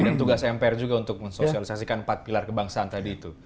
dan tugas mpr juga untuk mensosialisasikan empat pilar kebangsaan tadi itu